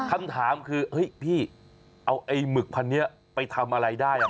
คำถามคือเอาไอ้หมึกพันธุ์นี้ไปทำอะไรได้